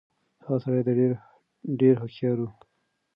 هغه سړی ډېر هوښيار و.